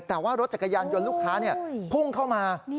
แต่ว่ารถจักรยานยนต์ลูกค้าพุ่งเข้ามา